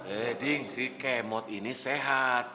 eh ding si kemot ini sehat